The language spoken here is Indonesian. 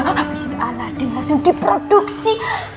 abis ini aladdin langsung diproduksi